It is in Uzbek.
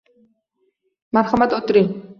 Marhamat, o'tiring.